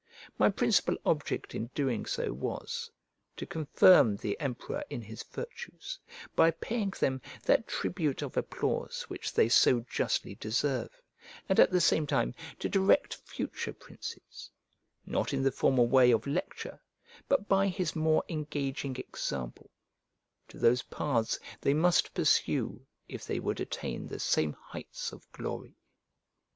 My principal object in doing so was, to confirm the emperor in his virtues, by paying them that tribute of applause which they so justly deserve; and at the same time to direct future princes, not in the formal way of lecture, but by his more engaging example, to those paths they must pursue if they would attain the same heights of glory.